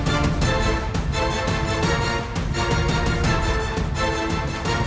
aku bunuh kalian semua